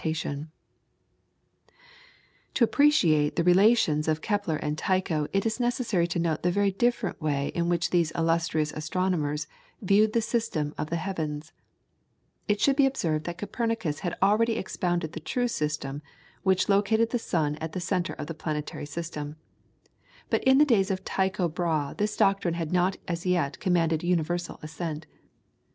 [PLATE: SYMBOLICAL REPRESENTATION OF THE PLANETARY SYSTEM.] To appreciate the relations of Kepler and Tycho it is necessary to note the very different way in which these illustrious astronomers viewed the system of the heavens. It should be observed that Copernicus had already expounded the true system, which located the sun at the centre of the planetary system. But in the days of Tycho Brahe this doctrine had not as yet commanded universal assent.